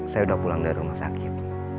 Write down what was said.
saya udah pulang dari rumah sakit